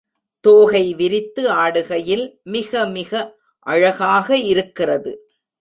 தோகை விரித்து ஆடுகையில் மிக மிக அழகாக இருக்கிறது.